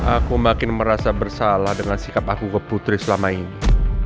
aku makin merasa bersalah dengan sikap aku ke putri selama ini